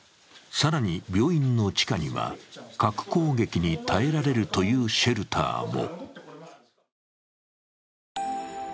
更に、病院の地下には核攻撃に耐えられるというシェルターも。